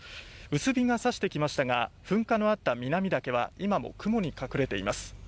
薄日が差してきましたが噴火のあった南岳は今も雲に隠れています。